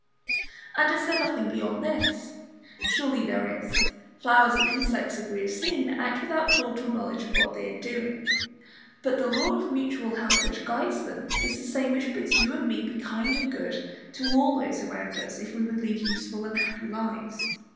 And is there nothing beyond this? Surely there is. Flowers and insects, as we have seen, act without thought or knowledge of what they are doing; but the law of mutual help which guides them is the same which bids you and me be kind and good to all those around us, if we would lead useful and happy lives.